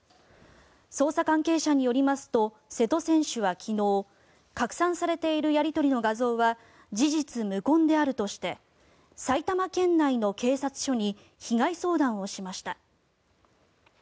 捜査関係者によりますと瀬戸選手は昨日拡散されているやり取りの画像は事実無根であるとして埼玉県内の警察署に被害相談をしました。